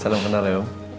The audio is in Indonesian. salam kenal ya om